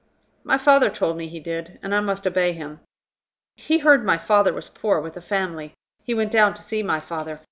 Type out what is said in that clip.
"My father told me he did, and I must obey him. He heard my father was poor, with a family. He went down to see my father.